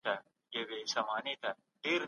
که انلاين زده کړه وي د ځای محدوديت نه پاته کيږي.